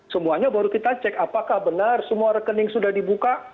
semuanya baru kita cek apakah benar semua rekening sudah dibuka